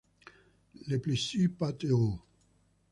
Le Plessis-Patte-d'Oie